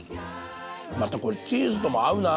またこれチーズとも合うな。